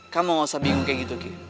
kamu gak usah bingung kayak gitu